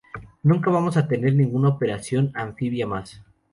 Nunca vamos a tener ninguna operación anfibia más.